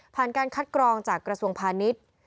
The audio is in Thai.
การคัดกรองจากกระทรวงพาณิชย์